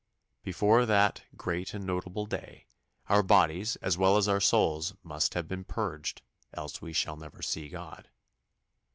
Before that "great and notable day" our bodies as well as our souls must have been purged, else we shall never see God.